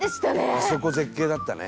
「あそこ絶景だったね」